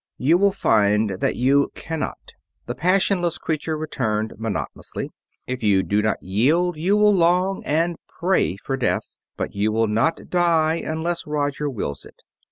"You will find that you cannot," the passionless creature returned, monotonously. "If you do not yield, you will long and pray for death, but you will not die unless Roger wills it.